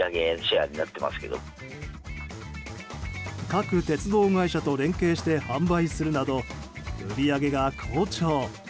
各鉄道会社と連携して販売するなど売り上げが好調。